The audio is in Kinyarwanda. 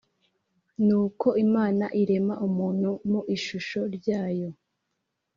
nuko imana irema muntu mu ishusho ryayo